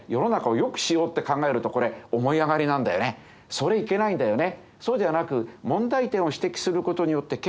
それいけないんだよね。